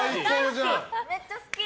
めっちゃ好き！